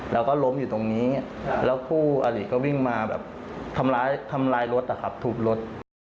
เราก็ล้มอยู่ตรงนี้แล้วผู้อีกก็วิ่งมาแบบทำลายรถครับทูบรถ